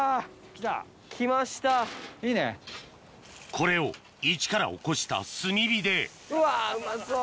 これをイチからおこした炭火でうわうまそう。